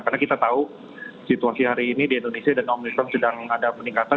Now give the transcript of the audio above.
karena kita tahu situasi hari ini di indonesia dan omikron sedang ada peningkatan